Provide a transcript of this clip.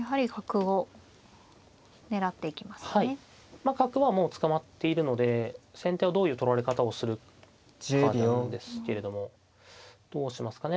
まあ角はもう捕まっているので先手はどういう取られ方をするかなんですけれどもどうしますかね。